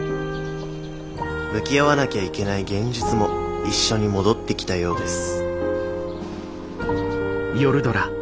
向き合わなきゃいけない現実も一緒に戻ってきたようです